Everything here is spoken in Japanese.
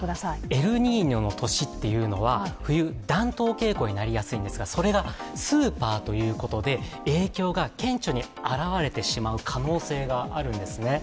エルニーニョの年っていうのは、冬、暖冬傾向になりやすいんですがそれがスーパーということで影響が顕著に表れてしまう可能性があるんですね。